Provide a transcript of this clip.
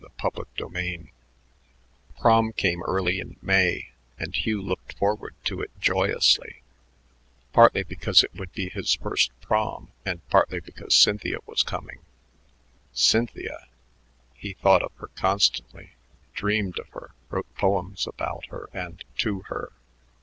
CHAPTER XXII Prom came early in May, and Hugh looked forward to it joyously, partly because it would be his first Prom and partly because Cynthia was coming. Cynthia! He thought of her constantly, dreamed of her, wrote poems about her and to her.